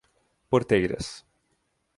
Porteiras